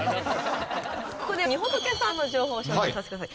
ここでみほとけさんの情報を紹介させてください。